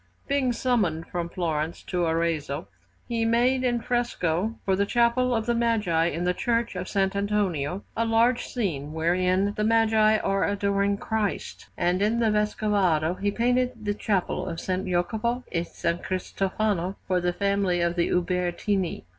Being summoned from Florence to Arezzo, he made in fresco, for the Chapel of the Magi in the Church of S. Antonio, a large scene wherein the Magi are adoring Christ; and in the Vescovado he painted the Chapel of S. Jacopo e S. Cristofano for the family of the Ubertini.